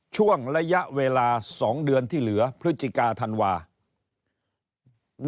ช่วงระยะเวลา๒เดือนที่เหลือพฤศจิกาธันวาคม